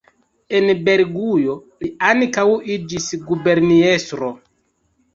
En Belgujo li ankaŭ iĝis guberniestro.